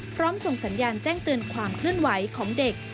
ส่งสัญญาณแจ้งเตือนความเคลื่อนไหวของเด็ก